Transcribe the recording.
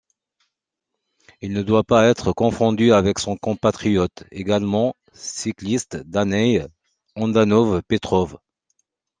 Il ne doit pas être confondu avec son compatriote, également cycliste, Danail Andonov Petrov.